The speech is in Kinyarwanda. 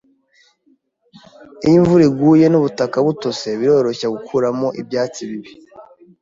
Iyo imvura iguye nubutaka butose, biroroshye gukuramo ibyatsi bibi.